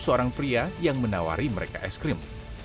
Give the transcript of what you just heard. seorang pria yang menawari mereka es krim